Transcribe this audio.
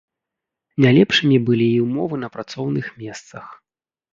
Не лепшымі былі і ўмовы на працоўных месцах.